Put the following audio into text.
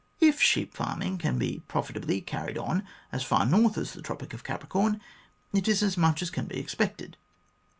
If sheep farming can be profitably carried on as far north as the Tropic of Capricorn, it is as much as can be expected.